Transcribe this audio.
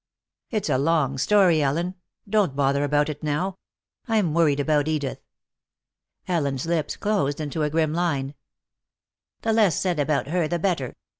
"It's a long story, Ellen. Don't bother about it now. I'm worried about Edith." Ellen's lips closed in a grim line. "The less said about her the better.